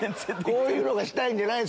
こういうのがしたいんじゃない。